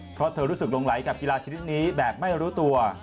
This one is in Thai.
เพราะเธอรู้สึกหลงไหลกับกีฬาชนิดนี้แบบไม่รู้ตัว